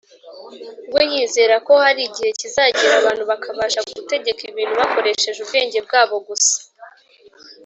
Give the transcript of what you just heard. we yizera ko hari igihe kizagera abantu bakabasha gutegeka ibintu bakoresheje ubwenge bwabo gusa